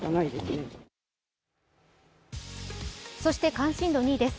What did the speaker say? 関心度２位です。